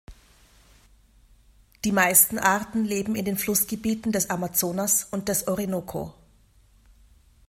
Die meisten Arten leben in den Flussgebieten des Amazonas und des Orinoko.